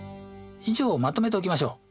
以上をまとめておきましょう。